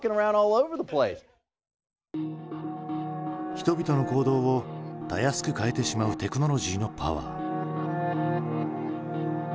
人々の行動をたやすく変えてしまうテクノロジーのパワー。